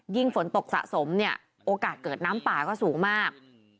ยิ่งฝนตกสะสมโอกาสเกิดน้ำป่าก็สูงมาก